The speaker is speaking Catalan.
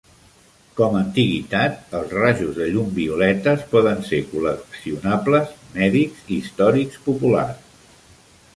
Com antiguitat, els rajos de llum violetes poden ser col·leccionables mèdics i històrics populars.